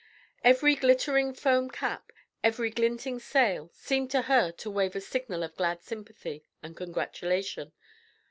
Every glittering foam cap, every glinting sail, seemed to her to wave a signal of glad sympathy and congratulation.